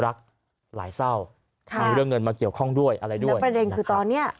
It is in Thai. รักหลายเศร้าค่ะมีเรื่องเงินมาเกี่ยวข้องด้วยอะไรด้วยประเด็นคือตอนเนี้ย